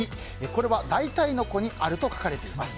これは大体の子にあると書かれています。